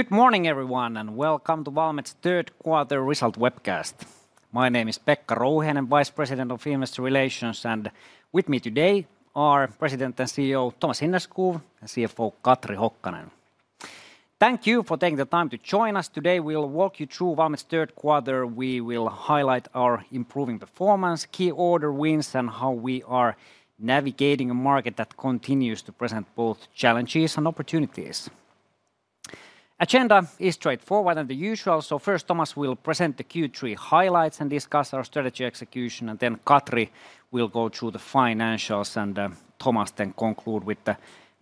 Good morning, everyone, and welcome to Valmet's third quarter result webcast. My name is Pekka Rouhiainen, Vice President of Investor Relations, and with me today are President and CEO Thomas Hinnerskov and CFO Katri Hokkanen. Thank you for taking the time to join us today. We'll walk you through Valmet's third quarter. We will highlight our improving performance, key order wins, and how we are navigating a market that continues to present both challenges and opportunities. The agenda is straightforward and the usual. First, Thomas will present the Q3 highlights and discuss our strategy execution, and then Katri will go through the financials. Thomas then concludes with the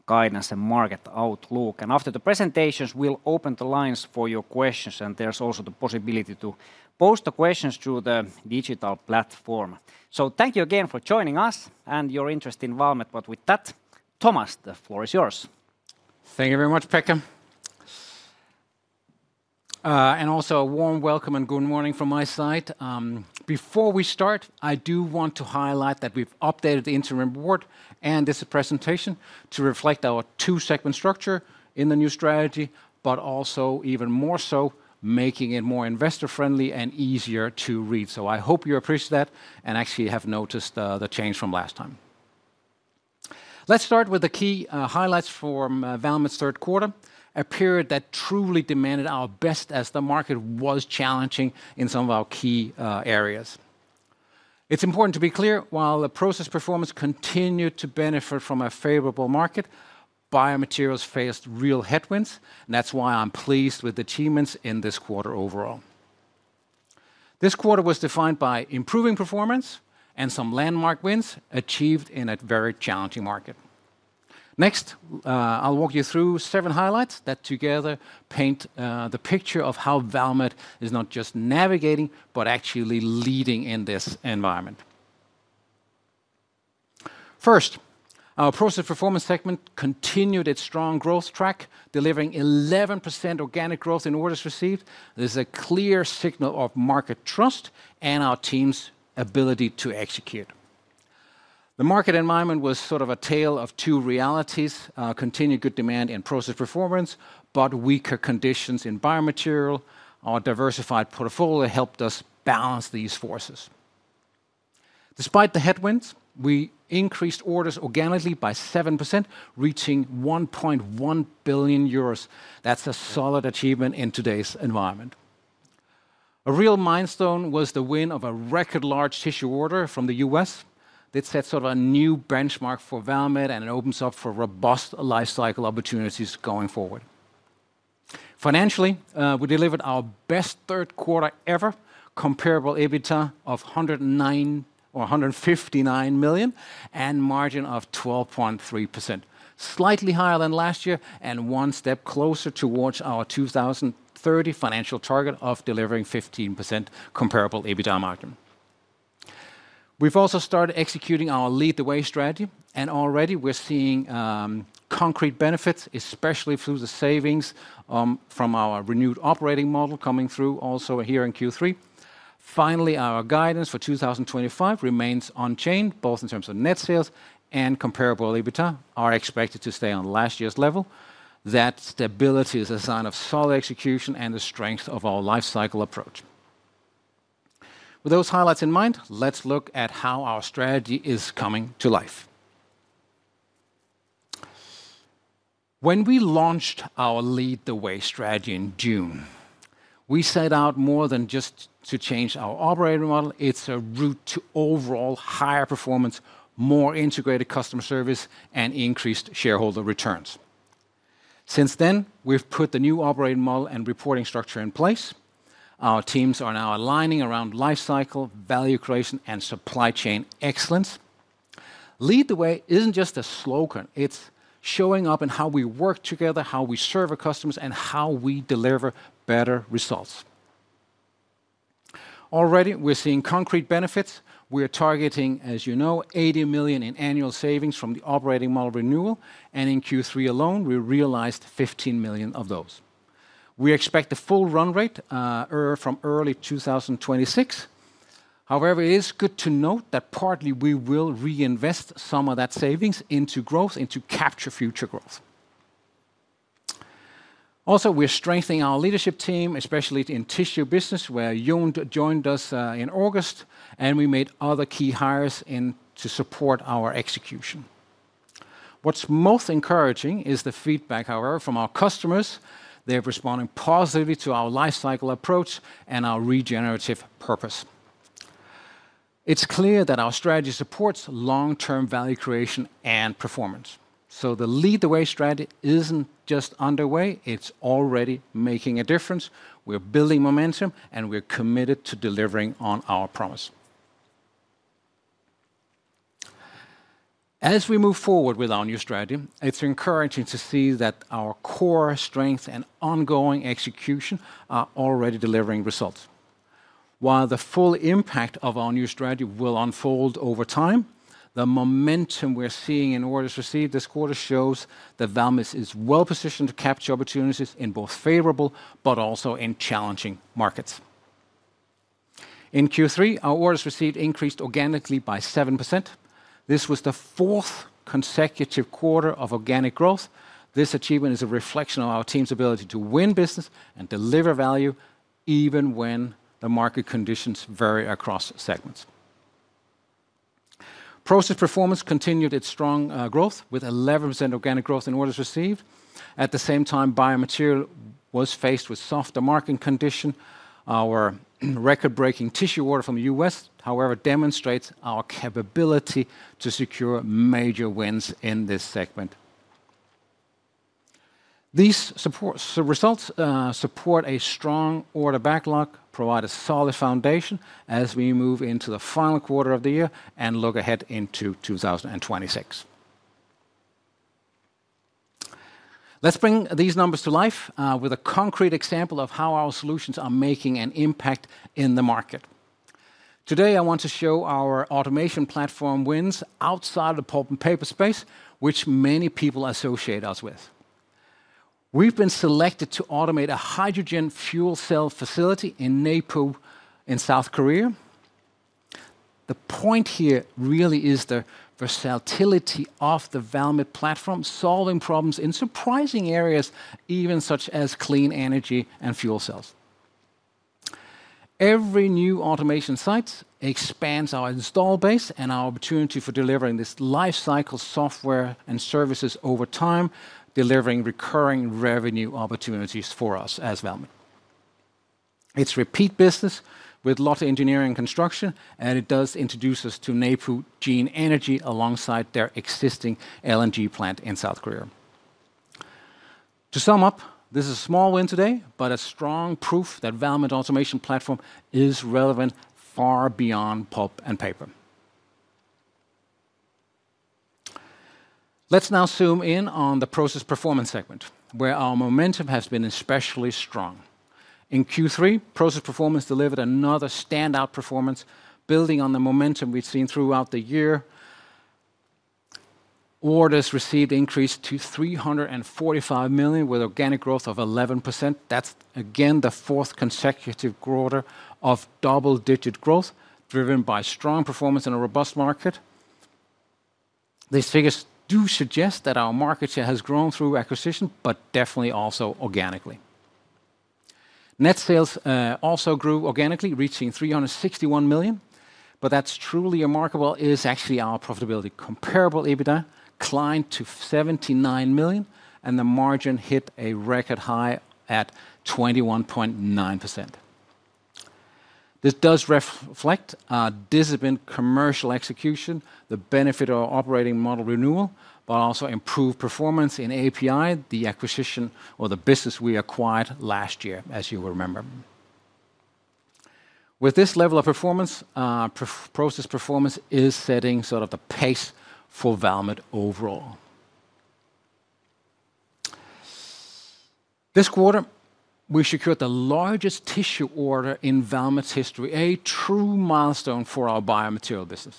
guidance and market outlook. After the presentations, we'll open the lines for your questions, and there's also the possibility to post the questions through the digital platform. Thank you again for joining us and your interest in Valmet. With that, Thomas, the floor is yours. Thank you very much, Pekka. Also, a warm welcome and good morning from my side. Before we start, I do want to highlight that we've updated the interim board and this presentation to reflect our two-segment structure in the new strategy, but also even more so, making it more investor-friendly and easier to read. I hope you appreciate that and actually have noticed the change from last time. Let's start with the key highlights from Valmet's third quarter, a period that truly demanded our best as the market was challenging in some of our key areas. It's important to be clear, while the Process Performance segment continued to benefit from a favorable market, the biomaterials faced real headwinds, and that's why I'm pleased with the achievements in this quarter overall. This quarter was defined by improving performance and some landmark wins achieved in a very challenging market. Next, I'll walk you through seven highlights that together paint the picture of how Valmet is not just navigating, but actually leading in this environment. First, our Process Performance segment continued its strong growth track, delivering 11% organic growth in orders received. This is a clear signal of market trust and our team's ability to execute. The market environment was sort of a tale of two realities: continued good demand in Process Performance, but weaker conditions in biomaterial. Our diversified portfolio helped us balance these forces. Despite the headwinds, we increased orders organically by 7%, reaching 1.1 billion euros. That's a solid achievement in today's environment. A real milestone was the win of a record-large tissue order from the U.S. That sets sort of a new benchmark for Valmet, and it opens up for robust lifecycle opportunities going forward. Financially, we delivered our best third quarter ever, comparable EBITDA of 159 million and margin of 12.3%, slightly higher than last year and one step closer towards our 2030 financial target of delivering 15% comparable EBITDA margin. We've also started executing our Lead the Way strategy, and already we're seeing concrete benefits, especially through the savings from our renewed operating model coming through also here in Q3. Finally, our guidance for 2025 remains unchanged, both in terms of net sales and comparable EBITDA, which are expected to stay on last year's level. That stability is a sign of solid execution and the strength of our lifecycle approach. With those highlights in mind, let's look at how our strategy is coming to life. When we launched our Lead the Way strategy in June, we set out more than just to change our operating model. It's a route to overall higher performance, more integrated customer service, and increased shareholder returns. Since then, we've put the new operating model and reporting structure in place. Our teams are now aligning around lifecycle, value creation, and supply chain excellence. Lead the Way isn't just a slogan, it's showing up in how we work together, how we serve our customers, and how we deliver better results. Already, we're seeing concrete benefits. We are targeting, as you know, 80 million in annual savings from the operating model renewal, and in Q3 alone, we realized 15 million of those. We expect a full run rate from early 2026. However, it is good to note that partly we will reinvest some of that savings into growth and to capture future growth. Also, we're strengthening our leadership team, especially in the tissue business, where Jon joined us in August, and we made other key hires to support our execution. What's most encouraging is the feedback, however, from our customers. They're responding positively to our lifecycle approach and our regenerative purpose. It's clear that our strategy supports long-term value creation and performance. The Lead the Way strategy isn't just underway, it's already making a difference. We're building momentum, and we're committed to delivering on our promise. As we move forward with our new strategy, it's encouraging to see that our core strengths and ongoing execution are already delivering results. While the full impact of our new strategy will unfold over time, the momentum we're seeing in orders received this quarter shows that Valmet is well-positioned to capture opportunities in both favorable but also in challenging markets. In Q3, our orders received increased organically by 7%. This was the fourth consecutive quarter of organic growth. This achievement is a reflection of our team's ability to win business and deliver value even when the market conditions vary across segments. Process Performance continued its strong growth, with 11% organic growth in orders received. At the same time, biomaterial was faced with a softer market condition. Our record-breaking tissue order from the U.S., however, demonstrates our capability to secure major wins in this segment. These results support a strong order backlog, provide a solid foundation as we move into the final quarter of the year and look ahead into 2026. Let's bring these numbers to life with a concrete example of how our solutions are making an impact in the market. Today, I want to show our automation platform wins outside of the pulp and paper space, which many people associate us with. We've been selected to automate a hydrogen fuel cell facility in Naepo, South Korea. The point here really is the versatility of the Valmet platform, solving problems in surprising areas, even such as clean energy and fuel cells. Every new automation site expands our install base and our opportunity for delivering this lifecycle software and services over time, delivering recurring revenue opportunities for us as Valmet. It's repeat business with a lot of engineering and construction, and it does introduce us to Naepo Green Energy alongside their existing LNG plant in South Korea. To sum up, this is a small win today, but a strong proof that Valmet's automation platform is relevant far beyond pulp and paper. Let's now zoom in on the Process Performance segment, where our momentum has been especially strong. In Q3, Process Performance delivered another standout performance, building on the momentum we've seen throughout the year. Orders received increased to 345 million with organic growth of 11%. That's again the fourth consecutive quarter of double-digit growth, driven by strong performance in a robust market. These figures do suggest that our market share has grown through acquisition, but definitely also organically. Net sales also grew organically, reaching 361 million, but that's truly remarkable. It is actually our profitability. Comparable EBITDA climbed to 79 million, and the margin hit a record high at 21.9%. This does reflect our disciplined commercial execution, the benefit of our operating model renewal, but also improved performance in API, the acquisition or the business we acquired last year, as you will remember. With this level of performance, Process Performance is setting sort of the pace for Valmet overall. This quarter, we secured the largest tissue order in Valmet's history, a true milestone for our biomaterial segment.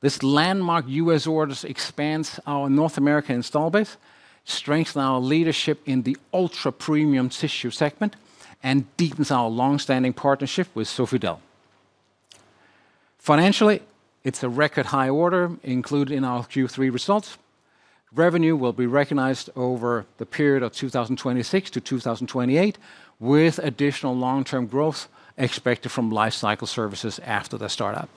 This landmark US order expands our North American install base, strengthens our leadership in the ultra-premium tissue segment, and deepens our long-standing partnership with Sofidel. Financially, it's a record-high order included in our Q3 results. Revenue will be recognized over the period of 2026-2028, with additional long-term growth expected from lifecycle services after the startup.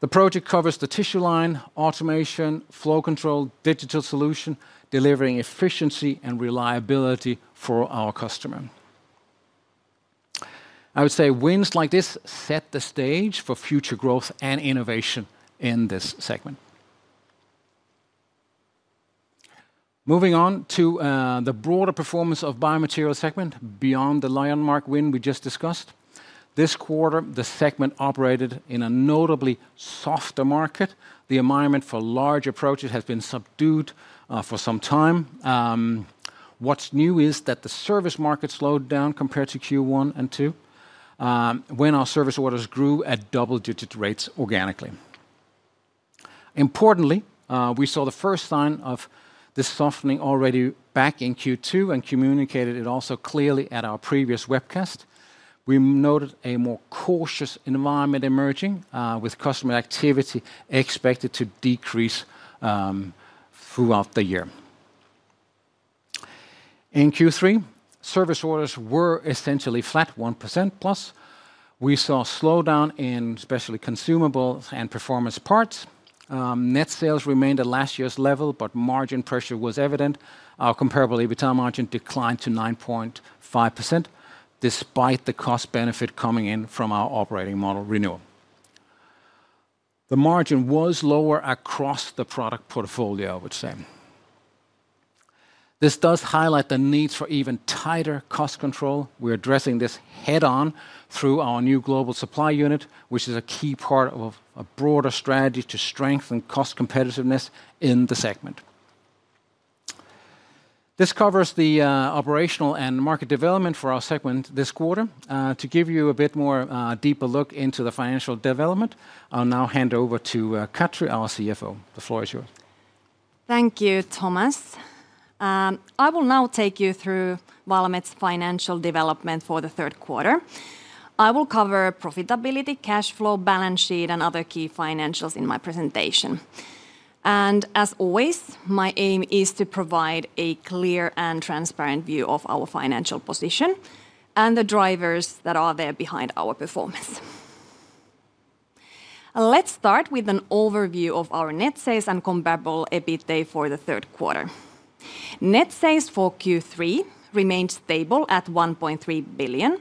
The project covers the tissue line, automation, flow control, digital solution, delivering efficiency and reliability for our customer. I would say wins like this set the stage for future growth and innovation in this segment. Moving on to the broader performance of the biomaterial segment, beyond the landmark win we just discussed, this quarter, the segment operated in a notably softer market. The environment for large approaches has been subdued for some time. What's new is that the service market slowed down compared to Q1 and Q2, when our service orders grew at double-digit rates organically. Importantly, we saw the first sign of this softening already back in Q2 and communicated it also clearly at our previous webcast. We noted a more cautious environment emerging, with customer activity expected to decrease throughout the year. In Q3, service orders were essentially flat, 1% plus. We saw a slowdown in especially consumables and performance parts. Net sales remained at last year's level, but margin pressure was evident. Our comparable EBITDA margin declined to 9.5%, despite the cost benefit coming in from our operating model renewal. The margin was lower across the product portfolio, I would say. This does highlight the need for even tighter cost control. We're addressing this head-on through our new global supply unit, which is a key part of a broader strategy to strengthen cost competitiveness in the segment. This covers the operational and market development for our segment this quarter. To give you a bit more deeper look into the financial development, I'll now hand over to Katri, our CFO. The floor is yours. Thank you, Thomas. I will now take you through Valmet's financial development for the third quarter. I will cover profitability, cash flow, balance sheet, and other key financials in my presentation. As always, my aim is to provide a clear and transparent view of our financial position and the drivers that are there behind our performance. Let's start with an overview of our net sales and comparable EBITDA for the third quarter. Net sales for Q3 remained stable at 1.3 billion,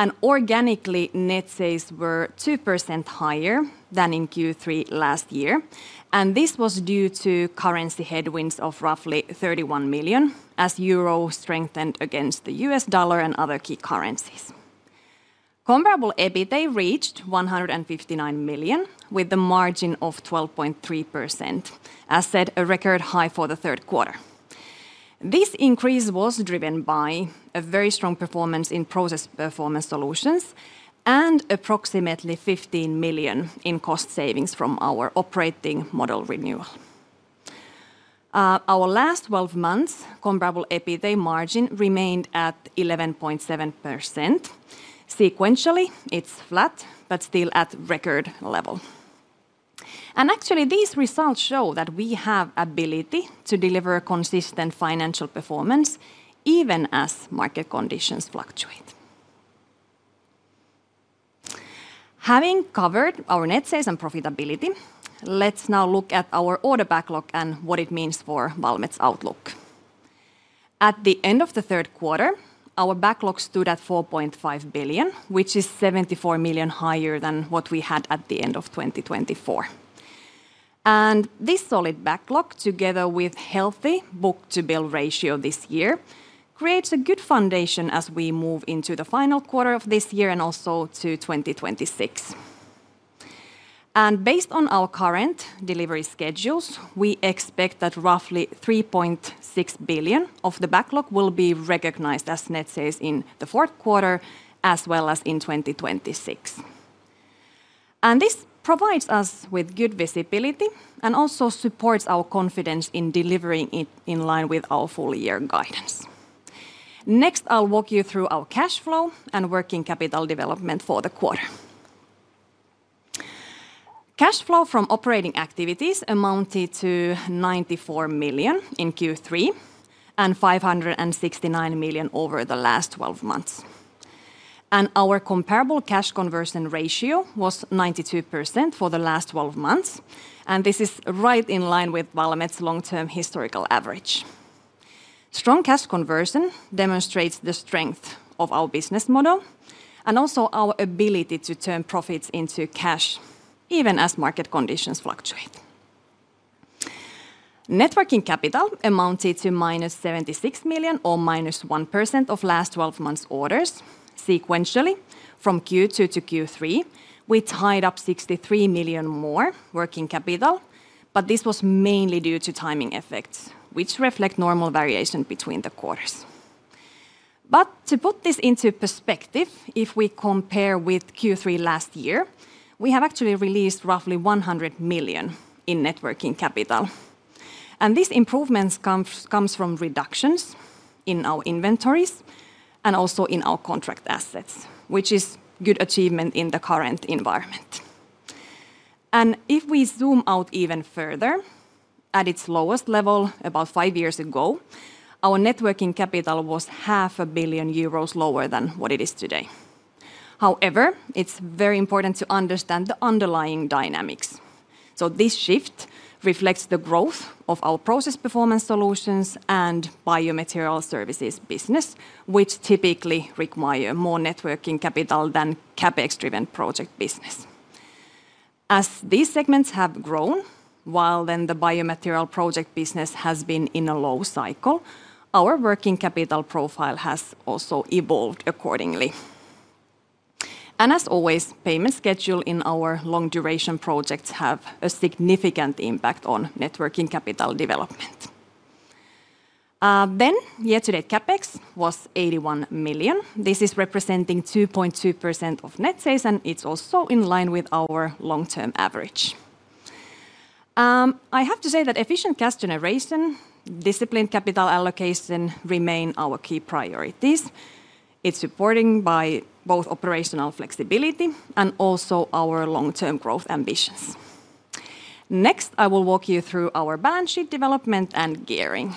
and organically, net sales were 2% higher than in Q3 last year. This was due to currency headwinds of roughly 31 million euro, as euros strengthened against the U.S. dollar and other key currencies. Comparable EBITDA reached 159 million, with a margin of 12.3%, as said, a record high for the third quarter. This increase was driven by a very strong performance in process Performance solutions and approximately 15 million in cost savings from our operating model renewal. Our last 12 months comparable EBITDA margin remained at 11.7%. Sequentially, it's flat, but still at record level. Actually, these results show that we have the ability to deliver consistent financial performance, even as market conditions fluctuate. Having covered our net sales and profitability, let's now look at our order backlog and what it means for Valmet's outlook. At the end of the third quarter, our backlog stood at 4.5 billion, which is 74 million higher than what we had at the end of 2024. This solid backlog, together with a healthy book-to-build ratio this year, creates a good foundation as we move into the final quarter of this year and also to 2026. Based on our current delivery schedules, we expect that roughly 3.6 billion of the backlog will be recognized as net sales in the fourth quarter, as well as in 2026. This provides us with good visibility and also supports our confidence in delivering it in line with our full year guidance. Next, I'll walk you through our cash flow and working capital development for the quarter. Cash flow from operating activities amounted to 94 million in Q3 and 569 million over the last 12 months. Our comparable cash conversion ratio was 92% for the last 12 months, and this is right in line with Valmet's long-term historical average. Strong cash conversion demonstrates the strength of our business model and also our ability to turn profits into cash, even as market conditions fluctuate. Net working capital amounted to 76 million or 1% of last 12 months' orders. Sequentially, from Q2 to Q3, we tied up 63 million more working capital, but this was mainly due to timing effects, which reflect normal variation between the quarters. To put this into perspective, if we compare with Q3 last year, we have actually released roughly 100 million in net working capital. These improvements come from reductions in our inventories and also in our contract assets, which is a good achievement in the current environment. If we zoom out even further, at its lowest level about five years ago, our net working capital was half a billion euros lower than what it is today. However, it's very important to understand the underlying dynamics. This shift reflects the growth of our Process Performance solutions and biomaterial services business, which typically require more net working capital than CapEx-driven project business. As these segments have grown, while the biomaterial project business has been in a low cycle, our working capital profile has also evolved accordingly. As always, payment schedules in our long-duration projects have a significant impact on net working capital development. Yesterday, CapEx was 81 million. This is representing 2.2% of net sales, and it's also in line with our long-term average. I have to say that efficient cash generation and disciplined capital allocation remain our key priorities. It's supported by both operational flexibility and also our long-term growth ambitions. Next, I will walk you through our balance sheet development and gearing.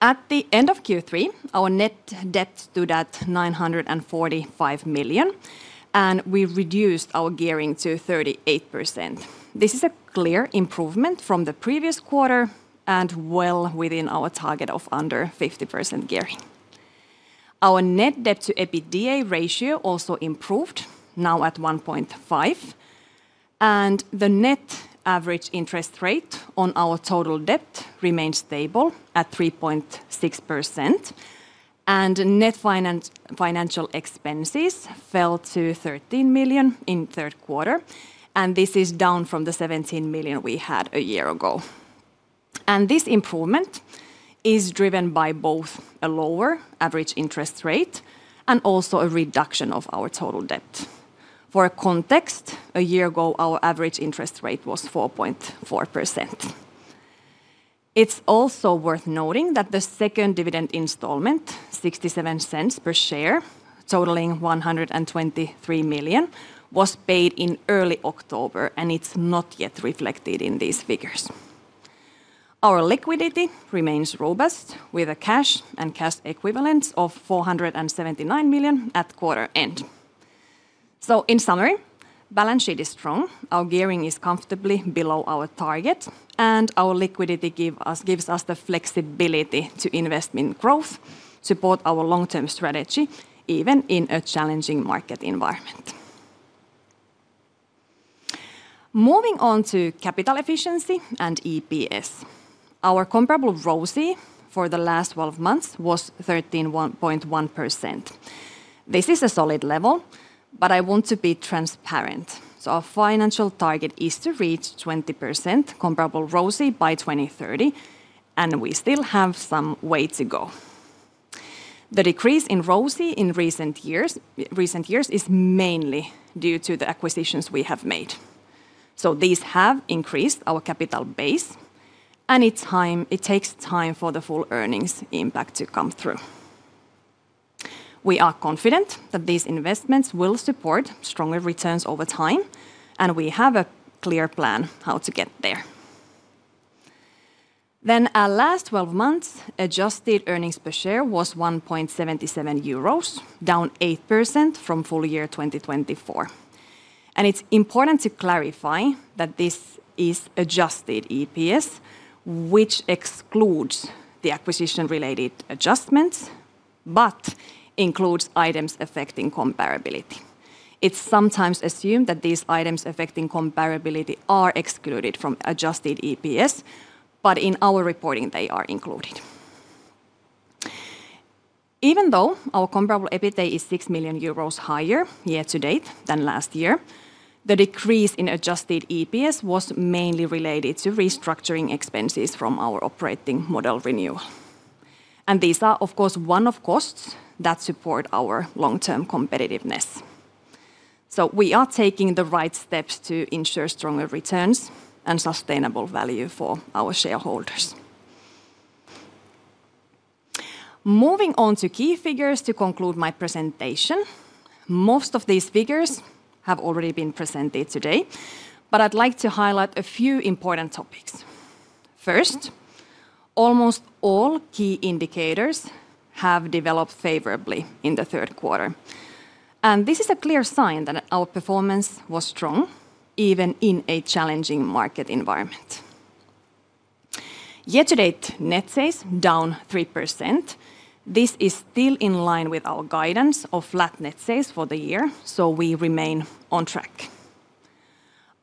At the end of Q3, our net debt stood at 945 million, and we reduced our gearing to 38%. This is a clear improvement from the previous quarter and well within our target of under 50% gearing. Our net debt-to-EBITDA ratio also improved, now at 1.5%. The net average interest rate on our total debt remains stable at 3.6%. Net financial expenses fell to 13 million in the third quarter, and this is down from the 17 million we had a year ago. This improvement is driven by both a lower average interest rate and also a reduction of our total debt. For context, a year ago, our average interest rate was 4.4%. It's also worth noting that the second dividend installment, 0.67 per share, totaling 123 million, was paid in early October, and it's not yet reflected in these figures. Our liquidity remains robust, with cash and cash equivalents of 479 million at quarter end. In summary, the balance sheet is strong, our gearing is comfortably below our target, and our liquidity gives us the flexibility to invest in growth and support our long-term strategy, even in a challenging market environment. Moving on to capital efficiency and EPS, our comparable ROC for the last 12 months was 13.1%. This is a solid level, but I want to be transparent. Our financial target is to reach 20% comparable ROC by 2030, and we still have some way to go. The decrease in ROC in recent years is mainly due to the acquisitions we have made. These have increased our capital base, and it takes time for the full earnings impact to come through. We are confident that these investments will support stronger returns over time, and we have a clear plan how to get there. Our last 12 months adjusted earnings per share was 1.77 euros, down 8% from full year 2024. It's important to clarify that this is adjusted EPS, which excludes the acquisition-related adjustments but includes items affecting comparability. It's sometimes assumed that these items affecting comparability are excluded from adjusted EPS, but in our reporting, they are included. Even though our comparable EBITDA is 6 million euros higher year to date than last year, the decrease in adjusted EPS was mainly related to restructuring expenses from our operating model renewal. These are, of course, one of the costs that support our long-term competitiveness. We are taking the right steps to ensure stronger returns and sustainable value for our shareholders. Moving on to key figures to conclude my presentation, most of these figures have already been presented today, but I'd like to highlight a few important topics. First, almost all key indicators have developed favorably in the third quarter. This is a clear sign that our performance was strong, even in a challenging market environment. Yesterday's net sales were down 3%. This is still in line with our guidance of flat net sales for the year, so we remain on track.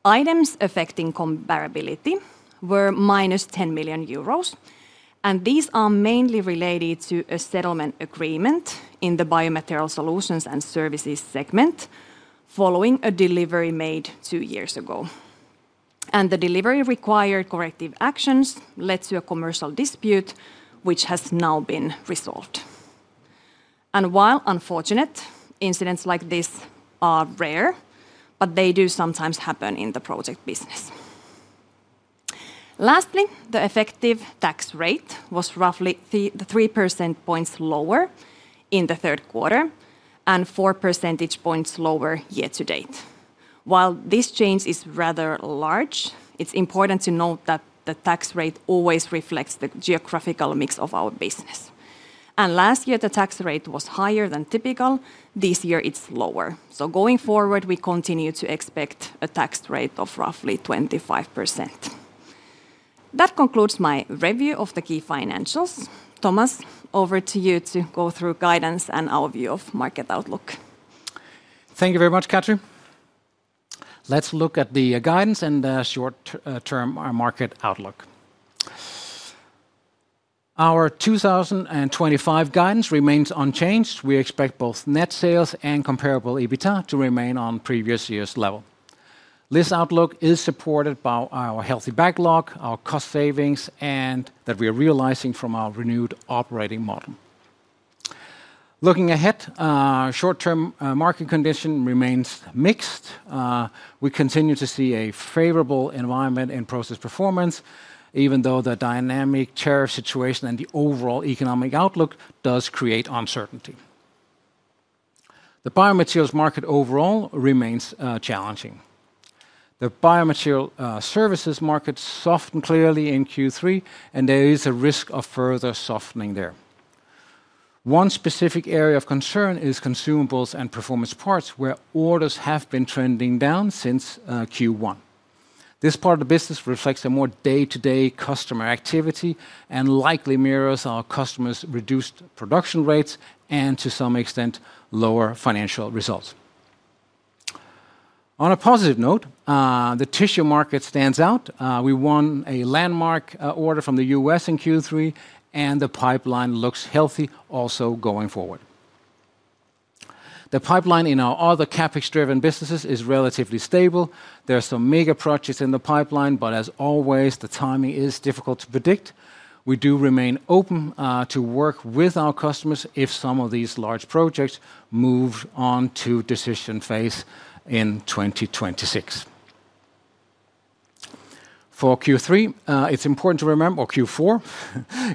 Items affecting comparability were 10 million euros, and these are mainly related to a settlement agreement in the biomaterial segment, following a delivery made two years ago. The delivery required corrective actions and led to a commercial dispute, which has now been resolved. While unfortunate, incidents like this are rare, but they do sometimes happen in the project business. Lastly, the effective tax rate was roughly 3% points lower in the third quarter and 4% points lower year to date. While this change is rather large, it's important to note that the tax rate always reflects the geographical mix of our business. Last year, the tax rate was higher than typical. This year, it's lower. Going forward, we continue to expect a tax rate of roughly 25%. That concludes my review of the key financials. Thomas, over to you to go through guidance and our view of market outlook. Thank you very much, Katri. Let's look at the guidance and the short-term market outlook. Our 2025 guidance remains unchanged. We expect both net sales and comparable EBITDA to remain on previous year's level. This outlook is supported by our healthy backlog, our cost savings, and that we are realizing from our renewed operating model. Looking ahead, short-term market condition remains mixed. We continue to see a favorable environment in Process Performance, even though the dynamic tariff situation and the overall economic outlook do create uncertainty. The biomaterial segment overall remains challenging. The biomaterial services market softened clearly in Q3, and there is a risk of further softening there. One specific area of concern is consumables and performance parts, where orders have been trending down since Q1. This part of the business reflects a more day-to-day customer activity and likely mirrors our customers' reduced production rates and, to some extent, lower financial results. On a positive note, the tissue market stands out. We won a landmark tissue order from the U.S. in Q3, and the pipeline looks healthy also going forward. The pipeline in our other CapEx-driven businesses is relatively stable. There are some mega projects in the pipeline, but as always, the timing is difficult to predict. We do remain open to work with our customers if some of these large projects move on to the decision phase in 2026. For Q3, it's important to remember, or Q4,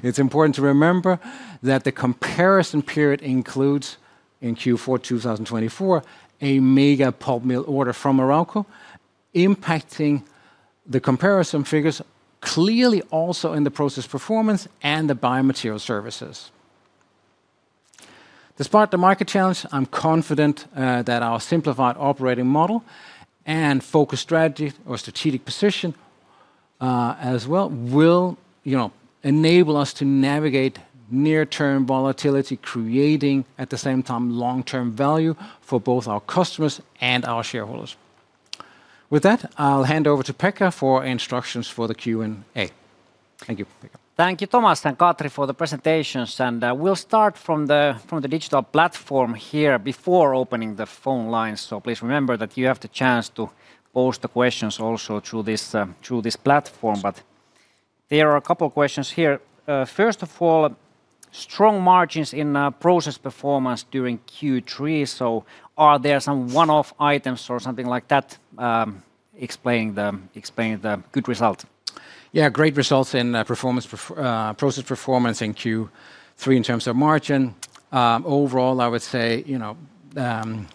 it's important to remember that the comparison period includes, in Q4 2024, a mega pulp mill order from Morocco, impacting the comparison figures clearly also in the Process Performance and the biomaterial services. Despite the market challenge, I'm confident that our simplified operating model and focused strategy, or strategic position as well, will enable us to navigate near-term volatility, creating at the same time long-term value for both our customers and our shareholders. With that, I'll hand over to Pekka for instructions for the Q&A. Thank you, Pekka. Thank you, Thomas and Katri, for the presentations. We'll start from the digital platform here before opening the phone lines. Please remember that you have the chance to post the questions also through this platform. There are a couple of questions here. First of all, strong margins in Process Performance during Q3. Are there some one-off items or something like that explaining the good result? Yeah, great results in Process Performance in Q3 in terms of margin. Overall, I would say the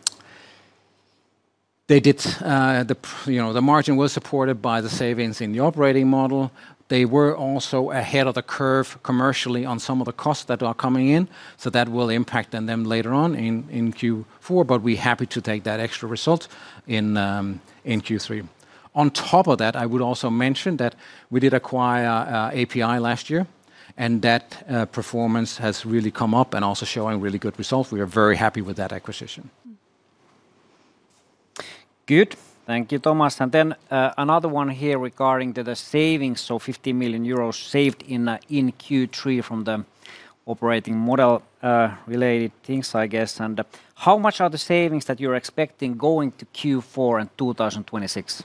margin was supported by the savings in the operating model. They were also ahead of the curve commercially on some of the costs that are coming in. That will impact them later on in Q4, but we're happy to take that extra result in Q3. On top of that, I would also mention that we did acquire API last year, and that performance has really come up and also showing really good results. We are very happy with that acquisition. Thank you, Thomas. Another one here regarding the savings, so 15 million euros saved in Q3 from the operating model-related things, I guess. How much are the savings that you're expecting going to Q4 and 2026?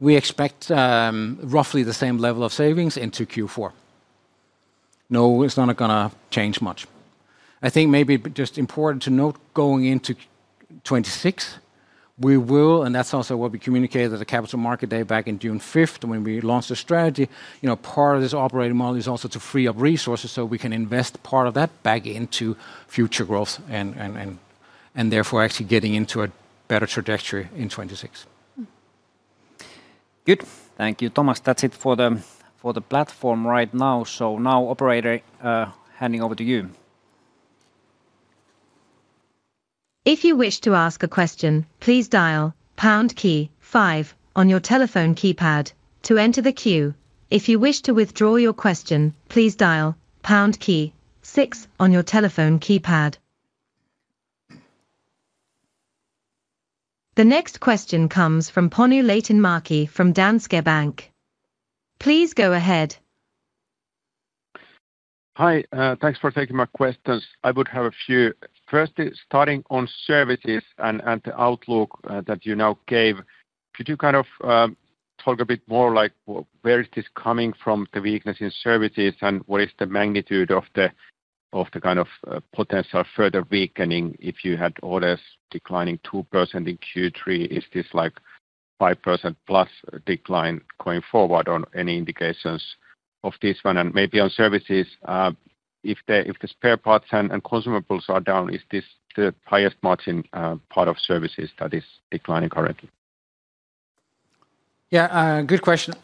We expect roughly the same level of savings into Q4. No, it's not going to change much. I think maybe just important to note going into 2026, we will, and that's also what we communicated at the Capital Market Day back on June 5th when we launched the strategy, part of this operating model is also to free up resources so we can invest part of that back into future growth and therefore actually getting into a better trajectory in 2026. Good. Thank you, Thomas. That's it for the platform right now. Now, operator, handing over to you. If you wish to ask a question, please dial pound key five on your telephone keypad to enter the queue. If you wish to withdraw your question, please dial pound key six on your telephone keypad. The next question comes from Panu Laitinmäki from Danske Bank. Please go ahead. Hi, thanks for taking my questions. I would have a few. Firstly, starting on services and the outlook that you now gave, could you kind of talk a bit more, like where is this coming from, the weakness in services, and what is the magnitude of the kind of potential further weakening if you had orders declining 2% in Q3? Is this like 5%+ decline going forward, or any indications of this one? Maybe on services, if the spare parts and consumables are down, is this the highest margin part of services that is declining currently? Yeah, good question.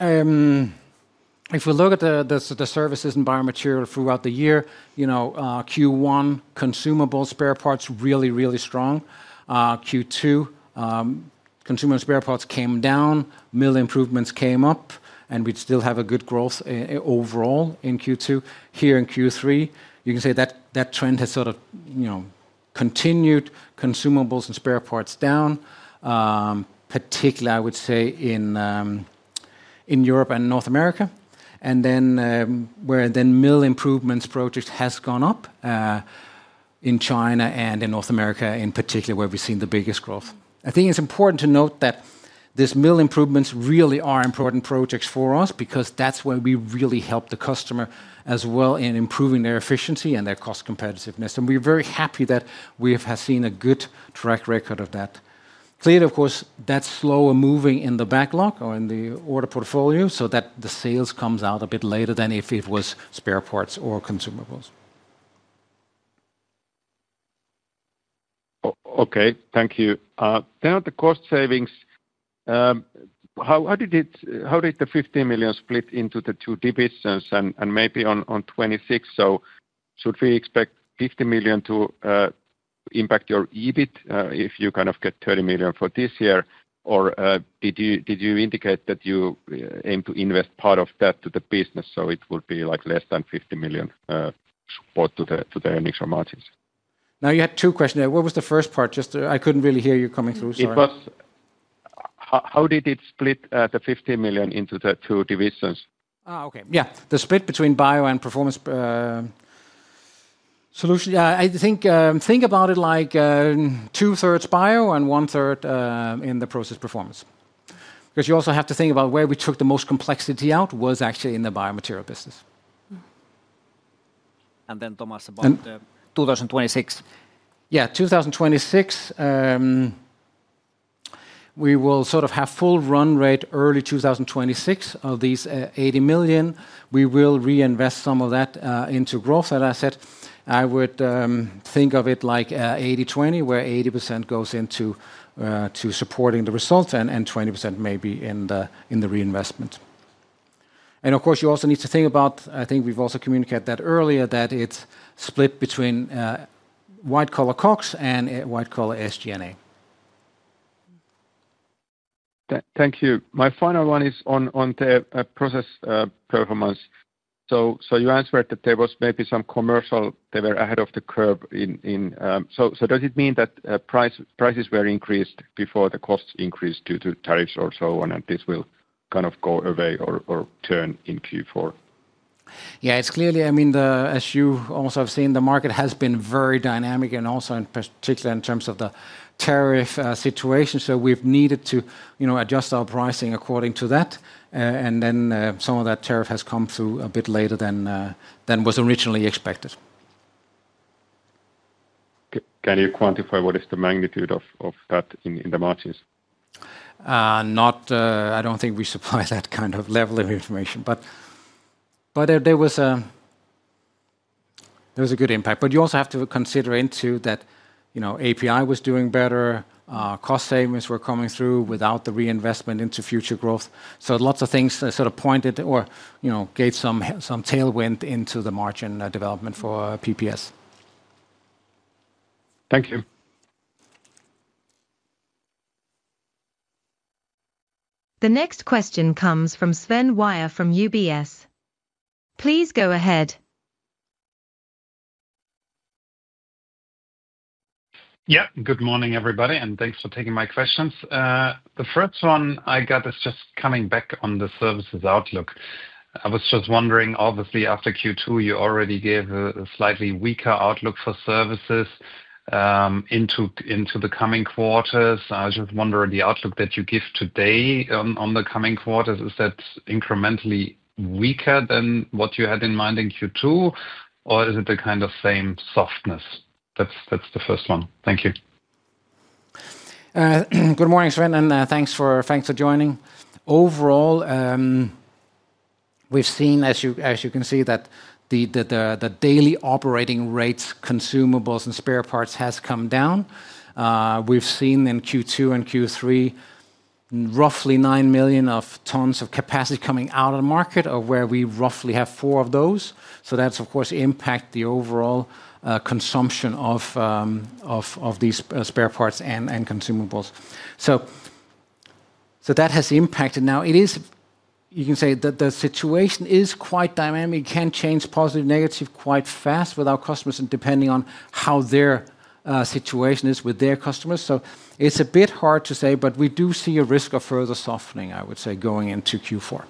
If we look at the services and biomaterial segment throughout the year, you know Q1 consumables and spare parts were really, really strong. Q2 consumables and spare parts came down, mill improvements came up, and we still have good growth overall in Q2. Here in Q3, you can say that trend has sort of continued, consumables and spare parts down, particularly I would say in Europe and North America. Where the mill improvements project has gone up is in China and in North America in particular, where we've seen the biggest growth. I think it's important to note that these mill improvements really are important projects for us because that's where we really help the customer as well in improving their efficiency and their cost competitiveness. We're very happy that we have seen a good track record of that. Clearly, of course, that's slower moving in the backlog or in the order portfolio, so the sales come out a bit later than if it was spare parts or consumables. Okay, thank you. Now the cost savings, how did the 15 million split into the two divisions and maybe on 2026? Should we expect 15 million to impact your EBIT if you kind of get 30 million for this year, or did you indicate that you aim to invest part of that to the business so it would be like less than 50 million support to the earnings or margins? Now, you had two questions there. What was the first part? I couldn't really hear you coming through. How did it split the 15 million into the two divisions? Okay. Yeah, the split between bio and Performance solutions. Yeah, I think about it like two-thirds bio and one-third in the Process Performance segment. Because you also have to think about where we took the most complexity out was actually in the biomaterial segment. Thomas, about 2026. Yeah, 2026, we will sort of have full run rate early 2026 of these 80 million. We will reinvest some of that into growth, as I said. I would think of it like 80-20, where 80% goes into supporting the results and 20% maybe in the reinvestment. Of course, you also need to think about, I think we've also communicated that earlier, that it's split between white-collar COGS and white-collar SG&A. Thank you. My final one is on the Process Performance. You answered that there was maybe some commercial, they were ahead of the curve in. Does it mean that prices were increased before the costs increased due to tariffs or so on, and this will kind of go away or turn in Q4? Yeah, it's clearly, I mean, as you also have seen, the market has been very dynamic, particularly in terms of the tariff situation. We've needed to adjust our pricing according to that, and some of that tariff has come through a bit later than was originally expected. Can you quantify what is the magnitude of that in the margins? I don't think we supply that kind of level of information, but there was a good impact. You also have to consider that API was doing better, cost savings were coming through without the reinvestment into future growth. Lots of things sort of pointed or gave some tailwind into the margin development for PPS. Thank you. The next question comes from Sven Weier from UBS. Please go ahead. Good morning everybody, and thanks for taking my questions. The first one I got is just coming back on the services outlook. I was just wondering, obviously after Q2, you already gave a slightly weaker outlook for services into the coming quarters. I was just wondering, the outlook that you give today on the coming quarters, is that incrementally weaker than what you had in mind in Q2, or is it the kind of same softness? That's the first one. Thank you. Good morning, Sven, and thanks for joining. Overall, we've seen, as you can see, that the daily operating rates, consumables, and spare parts have come down. We've seen in Q2 and Q3 roughly 9 million tons of capacity coming out of the market, where we roughly have 4 of those. That's, of course, impacting the overall consumption of these spare parts and consumables. That has impacted. Now, you can say that the situation is quite dynamic, can change positive and negative quite fast with our customers and depending on how their situation is with their customers. It's a bit hard to say, but we do see a risk of further softening, I would say, going into Q4.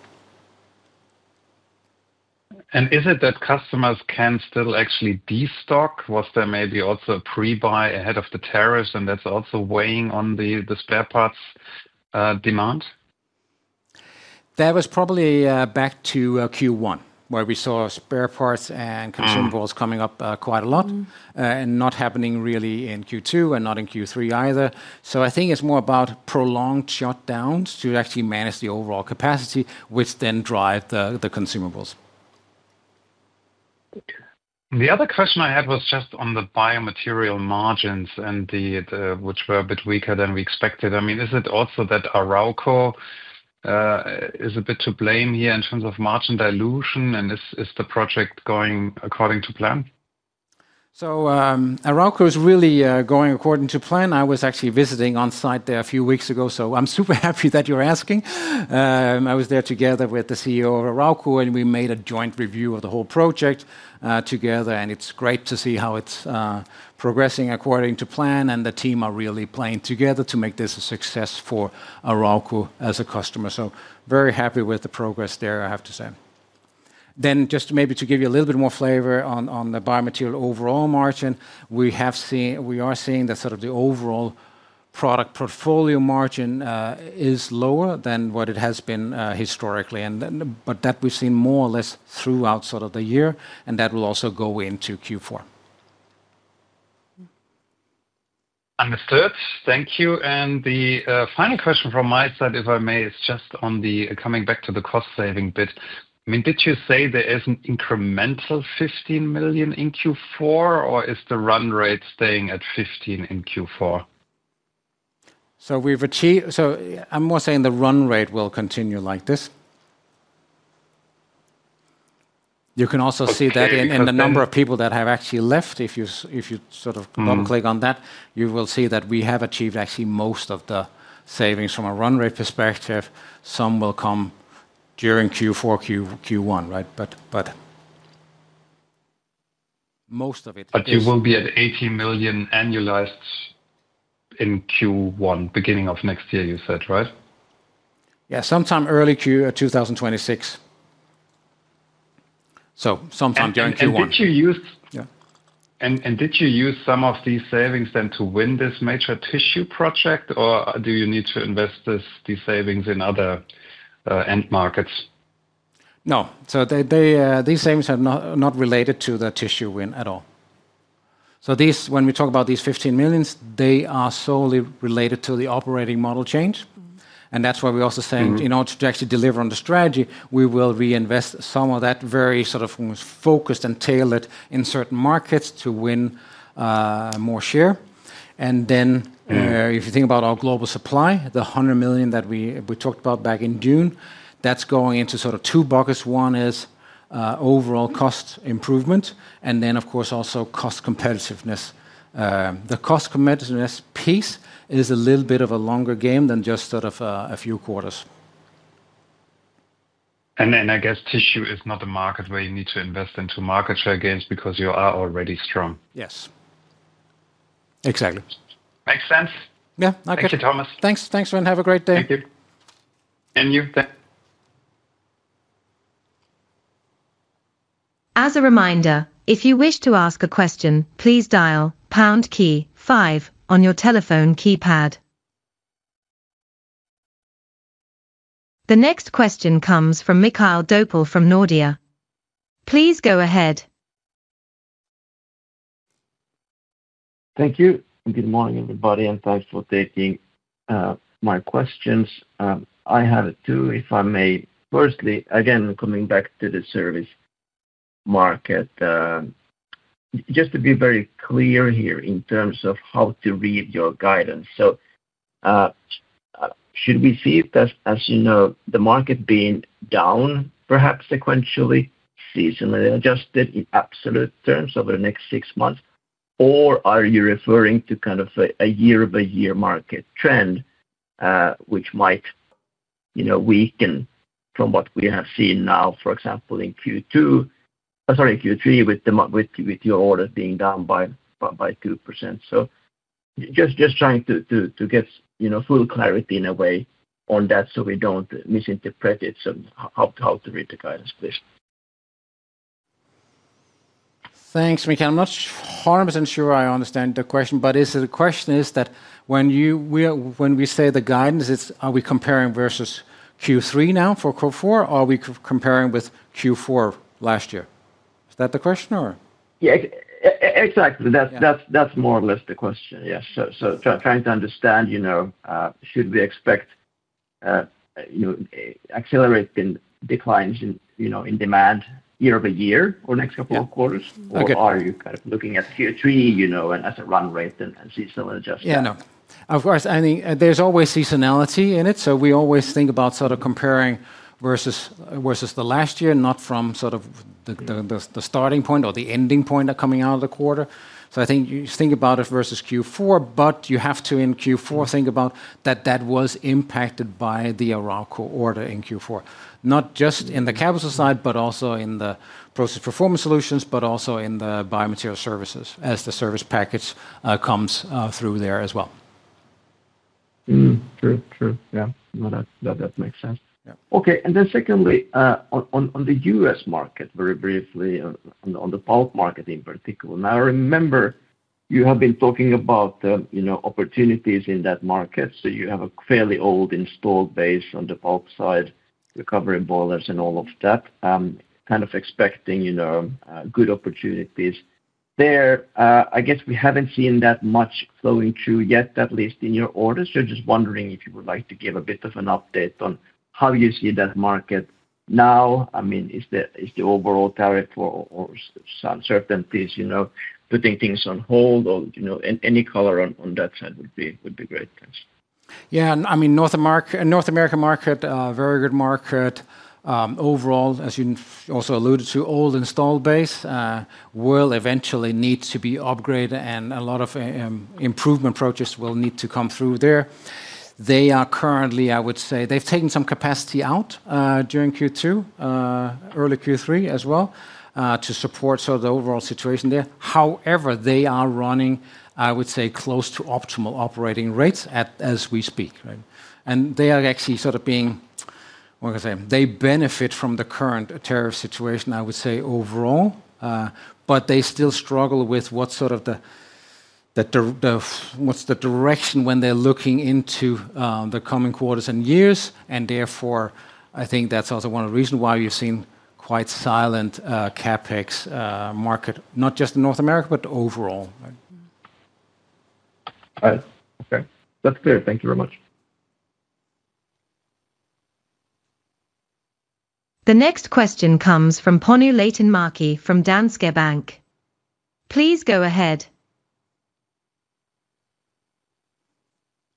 Is it that customers can still actually destock? Was there maybe also a pre-buy ahead of the tariffs, and that's also weighing on the spare parts demand? That was probably back to Q1, where we saw spare parts and consumables coming up quite a lot, not happening really in Q2 and not in Q3 either. I think it's more about prolonged shutdowns to actually manage the overall capacity, which then drives the consumables. The other question I had was just on the biomaterial segment margins, which were a bit weaker than we expected. I mean, is it also that Arauco is a bit to blame here in terms of margin dilution, and is the project going according to plan? Arauco is really going according to plan. I was actually visiting on site there a few weeks ago, so I'm super happy that you're asking. I was there together with the CEO of Arauco, and we made a joint review of the whole project together. It's great to see how it's progressing according to plan, and the team are really playing together to make this a success for Arauco as a customer. Very happy with the progress there, I have to say. Just maybe to give you a little bit more flavor on the biomaterial segment overall margin, we are seeing that the overall product portfolio margin is lower than what it has been historically, but we've seen that more or less throughout the year, and that will also go into Q4. Thank you. The final question from my side, if I may, is just on coming back to the cost saving bit. I mean, did you say there is an incremental 15 million in Q4, or is the run rate staying at 15 million in Q4? I'm more saying the run rate will continue like this. You can also see that in the number of people that have actually left. If you sort of double-click on that, you will see that we have achieved actually most of the savings from a run rate perspective. Some will come during Q4, Q1, right? Most of it. You will be at 18 million annualized in Q1, beginning of next year, you said, right? Yeah, sometime early Q2 2026, sometime during Q1. Did you use some of these savings to win this major tissue project, or do you need to invest these savings in other end markets? No, these savings are not related to the tissue win at all. When we talk about these 15 million, they are solely related to the operating model change. That's why we're also saying in order to actually deliver on the strategy, we will reinvest some of that very sort of focused and tailored in certain markets to win more share. If you think about our global supply, the 100 million that we talked about back in June is going into two buckets. One is overall cost improvement, and then of course also cost competitiveness. The cost competitiveness piece is a little bit of a longer game than just a few quarters. Tissue is not a market where you need to invest in to gain market share because you are already strong. Yes, exactly. Makes sense. Yeah, okay. Thank you, Thomas. Thanks, Sven. Have a great day. Thank you. You. As a reminder, if you wish to ask a question, please dial the pound key five on your telephone keypad. The next question comes from Mikael Doepel from Nordea. Please go ahead. Thank you. Good morning, everybody, and thanks for taking my questions. I have two, if I may. Firstly, again, coming back to the service market, just to be very clear here in terms of how to read your guidance. Should we see it as, as you know, the market being down, perhaps sequentially, seasonally adjusted in absolute terms over the next six months, or are you referring to kind of a year-over-year market trend, which might weaken from what we have seen now, for example, in Q3, with your orders being down by 2%? I am just trying to get full clarity in a way on that so we don't misinterpret it, how to read the guidance, please. Thanks, Mikael. I'm not 100% sure I understand the question, but the question is that when we say the guidance, are we comparing versus Q3 now for Q4, or are we comparing with Q4 last year? Is that the question, or? Yeah, exactly. That's more or less the question, yes. Trying to understand, you know, should we expect accelerating declines in demand year-over-year or next couple of quarters, or are you kind of looking at Q3, you know, and as a run rate and seasonal adjustment? Of course, I think there's always seasonality in it. We always think about sort of comparing versus the last year, not from the starting point or the ending point coming out of the quarter. I think you think about it versus Q4, but in Q4, you have to think about that was impacted by the Arauco order in Q4, not just in the capital side, but also in the process Performance solutions, and also in the biomaterial segment services as the service package comes through there as well. True, true. Yeah, that makes sense. Okay, and then secondly, on the U.S. market, very briefly, on the pulp market in particular. Now, I remember you have been talking about opportunities in that market. You have a fairly old installed base on the pulp side, recovery boilers, and all of that, kind of expecting good opportunities there. I guess we haven't seen that much flowing through yet, at least in your orders. Just wondering if you would like to give a bit of an update on how you see that market now. I mean, is the overall tariff or uncertainties, you know, putting things on hold or any color on that side would be great. Yeah, and I mean, North American market, very good market overall, as you also alluded to, old installed base will eventually need to be upgraded, and a lot of improvement projects will need to come through there. They are currently, I would say, they've taken some capacity out during Q2, early Q3 as well, to support the overall situation there. However, they are running, I would say, close to optimal operating rates as we speak. They are actually sort of being, what can I say, they benefit from the current tariff situation, I would say, overall, but they still struggle with what's the direction when they're looking into the coming quarters and years. Therefore, I think that's also one of the reasons why you've seen quite silent CapEx market, not just in North America, but overall. Right. Okay, that's clear. Thank you very much. The next question comes from Panu Laitinmäki from Danske Bank. Please go ahead.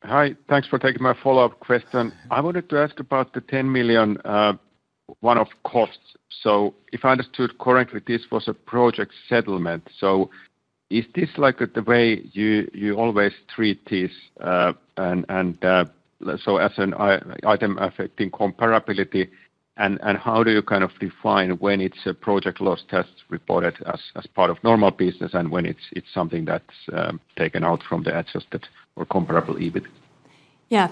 Hi, thanks for taking my follow-up question. I wanted to ask about the 10 million one-off costs. If I understood correctly, this was a project settlement. Is this the way you always treat this, as an item affecting comparability, and how do you define when it's a project loss that's reported as part of normal business and when it's something that's taken out from the adjusted or comparable EBIT? Yeah,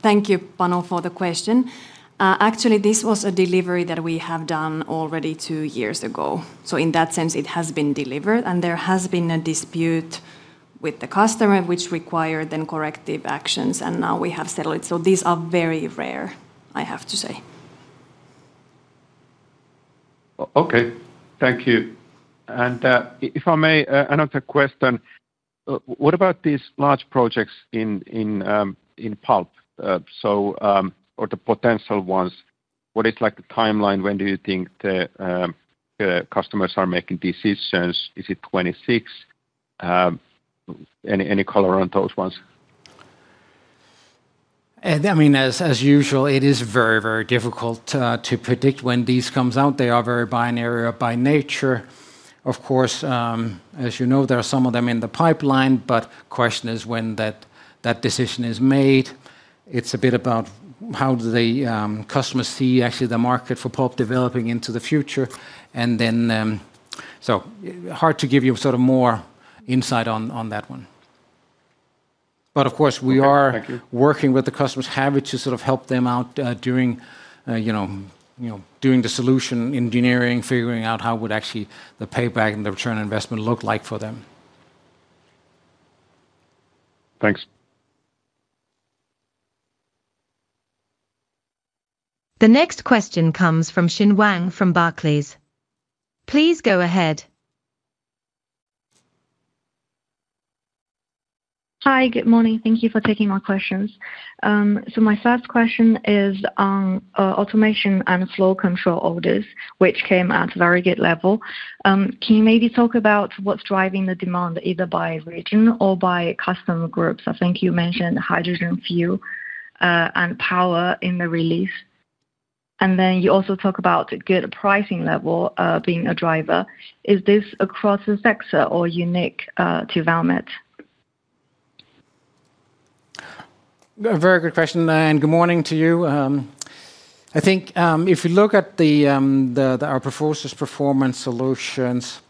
thank you, Panu, for the question. Actually, this was a delivery that we have done already two years ago. In that sense, it has been delivered, and there has been a dispute with the customer, which required corrective actions, and now we have settled it. These are very rare, I have to say. Thank you. If I may, another question. What about these large projects in pulp, or the potential ones? What is the timeline? When do you think the customers are making decisions? Is it 2026? Any color on those ones? I mean, as usual, it is very, very difficult to predict when these come out. They are very binary by nature. Of course, as you know, there are some of them in the pipeline, but the question is when that decision is made. It is a bit about how the customers see actually the market for pulp developing into the future. It is hard to give you sort of more insight on that one. Of course, we are working with the customers, having to sort of help them out during the solution engineering, figuring out how would actually the payback and the return on investment look like for them. Thanks. The next question comes from Xin Wang from Barclays. Please go ahead. Hi, good morning. Thank you for taking my questions. My first question is on automation and flow control orders, which came at a very good level. Can you maybe talk about what's driving the demand, either by region or by customer groups? I think you mentioned hydrogen, fuel, and power in the release. You also talk about good pricing level being a driver. Is this across the sector or unique to Valmet? Very good question, and good morning to you. I think if you look at our Process Performance solutions,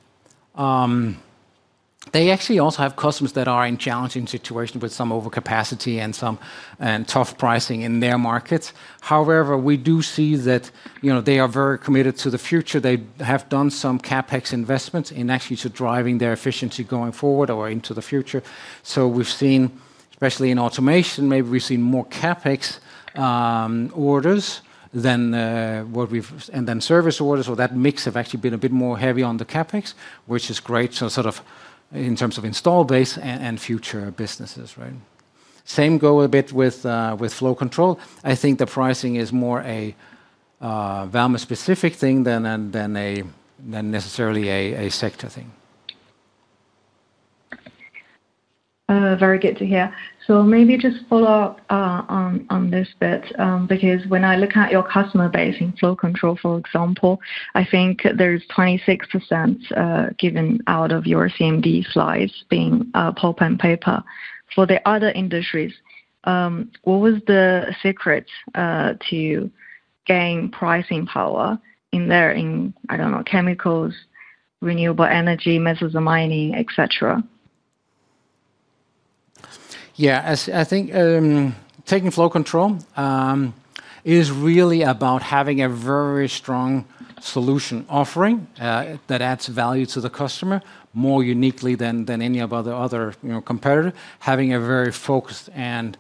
they actually also have customers that are in challenging situations with some overcapacity and tough pricing in their markets. However, we do see that they are very committed to the future. They have done some CapEx investments in actually driving their efficiency going forward or into the future. We've seen, especially in automation, maybe we've seen more CapEx orders than service orders, or that mix has actually been a bit more heavy on the CapEx, which is great, sort of in terms of install base and future businesses. Same goes a bit with flow control. I think the pricing is more a Valmet-specific thing than necessarily a sector thing. Very good to hear. Maybe just follow up on this bit, because when I look at your customer base in flow control, for example, I think there's 26% given out of your CMD slides being pulp and paper. For the other industries, what was the secret to gain pricing power in there, in, I don't know, chemicals, renewable energy, metals and mining, etc.? Yeah, I think taking flow control is really about having a very strong solution offering that adds value to the customer more uniquely than any of the other competitors, having a very focused and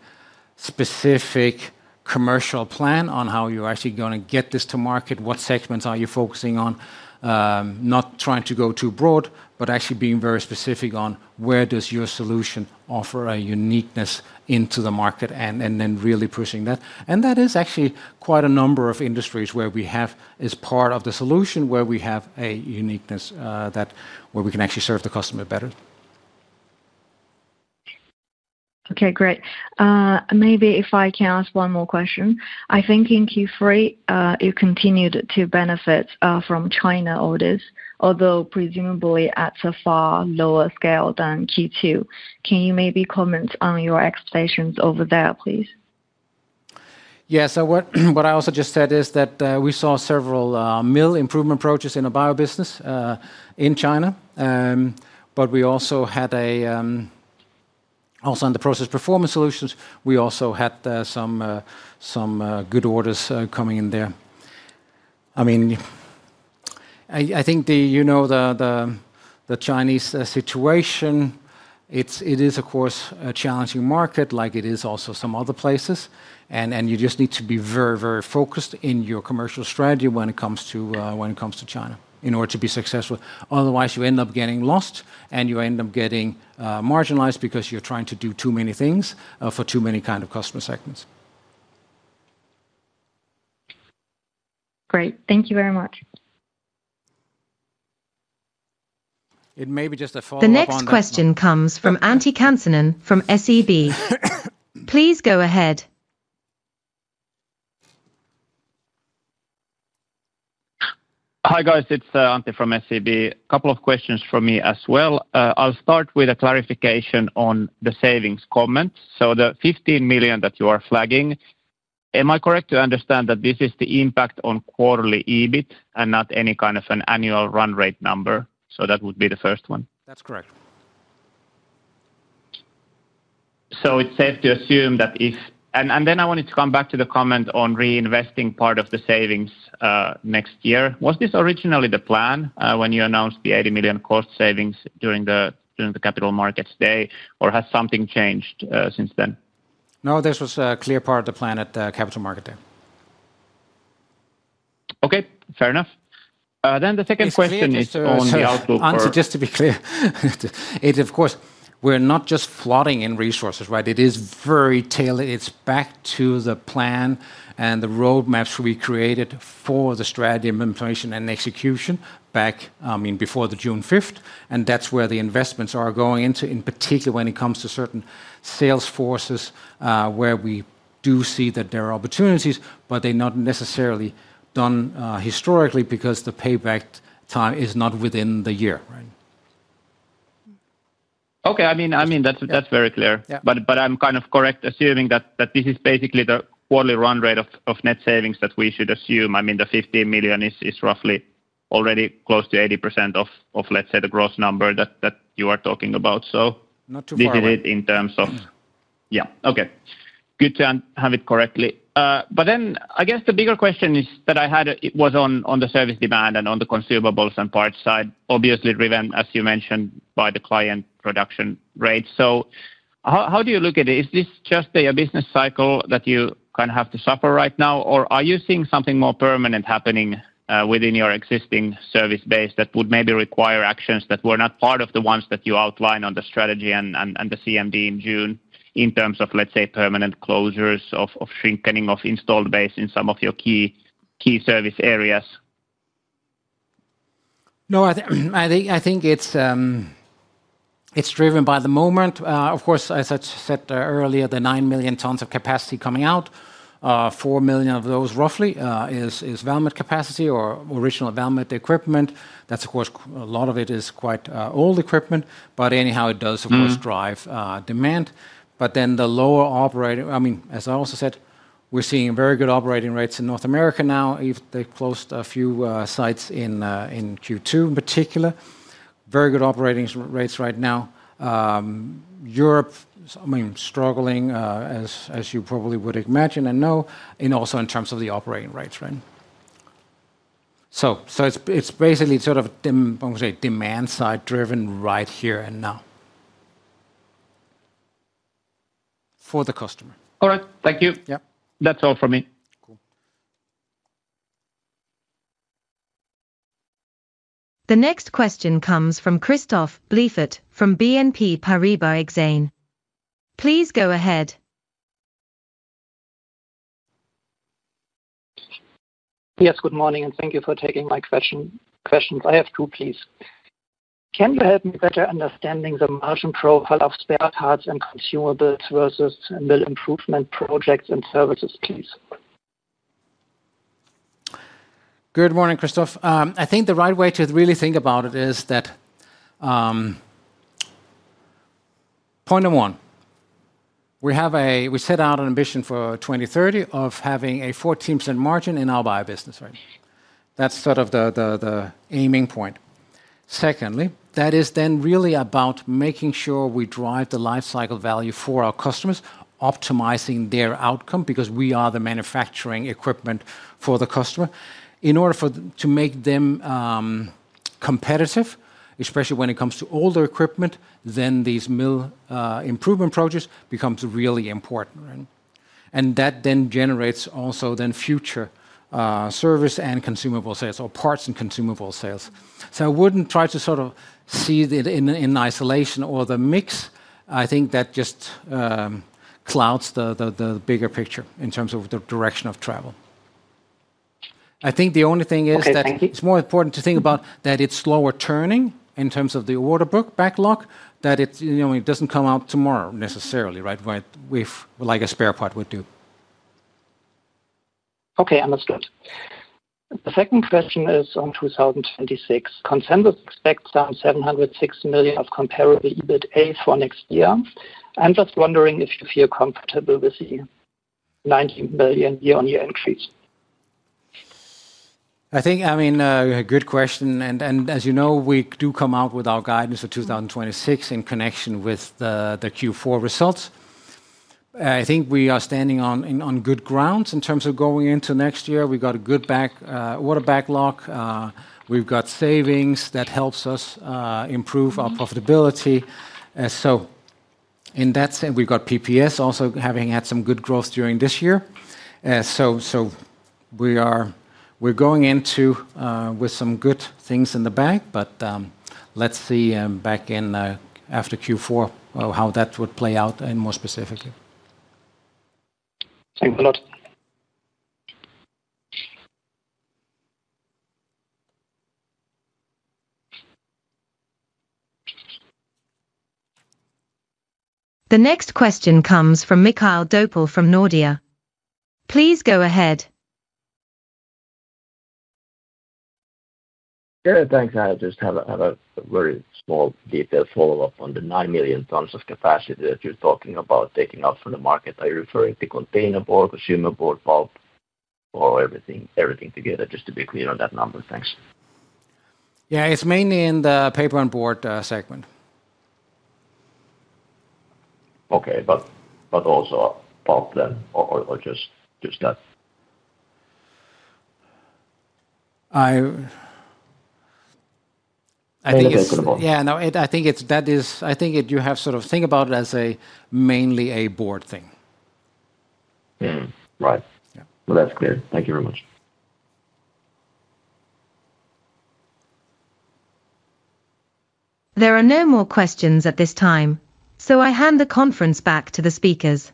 specific commercial plan on how you're actually going to get this to market, what segments are you focusing on, not trying to go too broad, but actually being very specific on where does your solution offer a uniqueness into the market, and then really pushing that. That is actually quite a number of industries where we have as part of the solution where we have a uniqueness that where we can actually serve the customer better. Okay, great. Maybe if I can ask one more question. I think in Q3, you continued to benefit from China orders, although presumably at a far lower scale than Q2. Can you maybe comment on your expectations over there, please? Yeah, what I also just said is that we saw several mill improvement projects in the bio business in China, but we also had, also in the Process Performance segment, we had some good orders coming in there. I mean, I think you know the Chinese situation. It is, of course, a challenging market like it is also in some other places, and you just need to be very, very focused in your commercial strategy when it comes to China in order to be successful. Otherwise, you end up getting lost, and you end up getting marginalized because you're trying to do too many things for too many kinds of customer segments. Great, thank you very much. The next question comes from Antti Kansanen from SEB. Please go ahead. Hi guys, it's Antti from SEB. A couple of questions from me as well. I'll start with a clarification on the savings comments. The $15 million that you are flagging, am I correct to understand that this is the impact on quarterly EBIT and not any kind of an annual run rate number? That would be the first one. That's correct. It's safe to assume that if, and then I wanted to come back to the comment on reinvesting part of the savings next year. Was this originally the plan when you announced the $80 million cost savings during the Capital Markets Day, or has something changed since then? No, this was a clear part of the plan at the Capital Market. Okay, fair enough. The second question is on the outlook. Answer just to be clear, it's, of course, we're not just flooding in resources, right? It is very tailored. It's back to the plan and the roadmaps we created for the strategy implementation and execution back, I mean, before June 5th, and that's where the investments are going into, in particular when it comes to certain sales forces where we do see that there are opportunities, but they're not necessarily done historically because the payback time is not within the year. Okay, that's very clear, but I'm kind of correct assuming that this is basically the quarterly run rate of net savings that we should assume. The $15 million is roughly already close to 80% of, let's say, the gross number that you are talking about. This is it in terms of, yeah, okay. Good to have it correctly. I guess the bigger question I had was on the service demand and on the consumables and parts side, obviously driven, as you mentioned, by the client production rate. How do you look at it? Is this just a business cycle that you have to suffer right now, or are you seeing something more permanent happening within your existing service base that would maybe require actions that were not part of the ones that you outlined on the strategy and the CMD in June in terms of, let's say, permanent closures or shrinking of installed base in some of your key service areas? No, I think it's driven by the moment. Of course, as I said earlier, the 9 million tons of capacity coming out, 4 million of those roughly is Valmet capacity or original Valmet equipment. That's, of course, a lot of it is quite old equipment, but anyhow, it does, of course, drive demand. The lower operating, I mean, as I also said, we're seeing very good operating rates in North America now. They closed a few sites in Q2 in particular. Very good operating rates right now. Europe, I mean, struggling, as you probably would imagine and know, and also in terms of the operating rates. It's basically sort of, I would say, demand side driven right here and now for the customer. All right, thank you. Yeah. That's all for me. Cool. The next question comes from Christoph Blieffert from BNP Paribas Exane. Please go ahead. Yes, good morning, and thank you for taking my questions. I have two, please. Can you help me better understand the margin profile of spare parts and consumables versus mill improvement projects and services, please? Good morning, Christophe. I think the right way to really think about it is that, point number one, we set out an ambition for 2030 of having a 14% margin in our bio business. That's sort of the aiming point. Secondly, that is then really about making sure we drive the lifecycle value for our customers, optimizing their outcome because we are the manufacturing equipment for the customer. In order to make them competitive, especially when it comes to older equipment, these mill improvement projects become really important. That then generates also future service and consumable sales or parts and consumable sales. I wouldn't try to sort of see it in isolation or the mix. I think that just clouds the bigger picture in terms of the direction of travel. I think the only thing is that it's more important to think about that it's slower turning in terms of the order backlog, that it doesn't come out tomorrow necessarily, right, like a spare part would do. Okay, that's good. The second question is on 2026. Consensus expects around 760 million of comparable EBITDA for next year. I'm just wondering if you feel comfortable with the 90 million year-on-year increase. Good question. As you know, we do come out with our guidance for 2026 in connection with the Q4 results. I think we are standing on good grounds in terms of going into next year. We've got a good order backlog. We've got savings that help us improve our profitability. In that sense, we've got PPS also having had some good growth during this year. We're going into next year with some good things in the bag, but let's see after Q4 how that would play out more specifically. Thanks a lot. The next question comes from Mikael Doepel from Nordea. Please go ahead. Thanks. I just have a very small detailed follow-up on the 9 million tons of capacity that you're talking about taking out from the market. Are you referring to container board, consumer board, pulp, or everything together? Just to be clear on that number, thanks. Yeah, it's mainly in the paper and board segment. Okay, but also pulp then or just that? I think you have to sort of think about it as mainly a board thing. Right. That's clear. Thank you very much. There are no more questions at this time, so I hand the conference back to the speakers.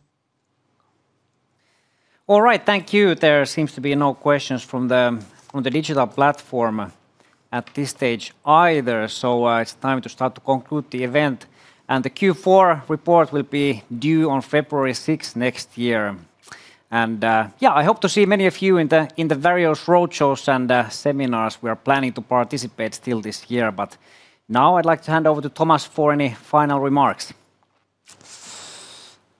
All right, thank you. There seems to be no questions from the digital platform at this stage either, so it's time to start to conclude the event. The Q4 report will be due on February 6th next year. I hope to see many of you in the various roadshows and seminars. We are planning to participate still this year, but now I'd like to hand over to Thomas for any final remarks.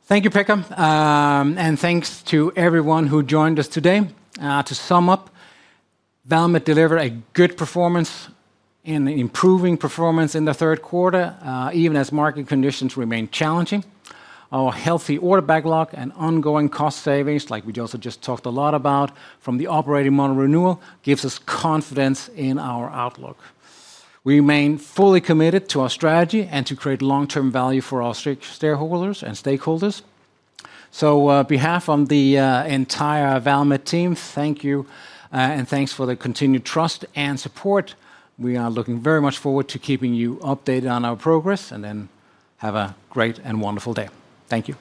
Thank you, Pekka, and thanks to everyone who joined us today. To sum up, Valmet delivered a good performance and improving performance in the third quarter, even as market conditions remain challenging. Our healthy order backlog and ongoing cost savings, like we also just talked a lot about from the operating model renewal, give us confidence in our outlook. We remain fully committed to our strategy and to create long-term value for our stakeholders. On behalf of the entire Valmet team, thank you and thanks for the continued trust and support. We are looking very much forward to keeping you updated on our progress and have a great and wonderful day. Thank you.